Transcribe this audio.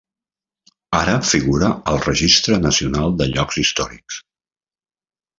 Ara figura al Registre nacional de llocs històrics.